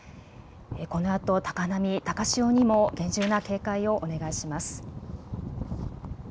このあと高波、高潮にも厳重な警戒をお願いします。